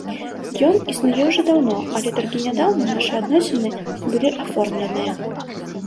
Ён існуе ўжо даўно, але толькі нядаўна нашы адносіны былі аформленыя.